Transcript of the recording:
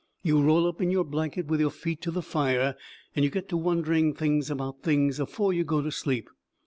You roll up in your blanket with your feet to the fire and you get to wondering things about things afore you go to sleep.